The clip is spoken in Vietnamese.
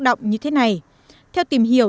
động như thế này theo tìm hiểu